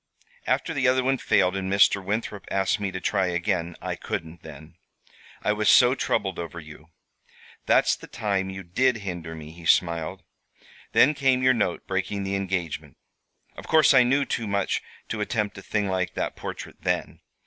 After the other one failed, and Mr. Winthrop asked me to try again, I couldn't then. I was so troubled over you. That's the time you did hinder me," he smiled. "Then came your note breaking the engagement. Of course I knew too much to attempt a thing like that portrait then.